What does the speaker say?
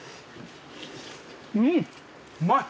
うんうまい！